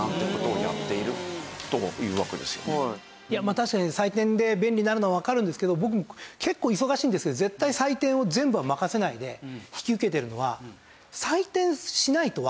確かに採点で便利になるのはわかるんですけど結構忙しいんですけど絶対採点を全部は任せないで引き受けてるのは。